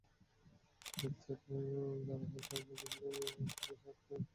ইফতারে যাঁরা হায়দারাবাদি বিরিয়ানির স্বাদ নিতে চান তাঁদের জন্য রয়েছে দুধরনের বক্স।